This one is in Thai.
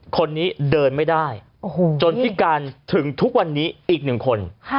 คนนี้เดินไม่ได้จนพิการถึงทุกวันนี้อีกหนึ่งคน